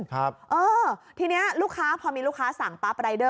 ครับเออทีนี้ลูกค้าพอมีลูกค้าสั่งปั๊บรายเดอร์